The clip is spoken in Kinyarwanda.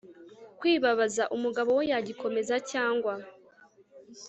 Kwibabaza umugabo we yagikomeza cyangwa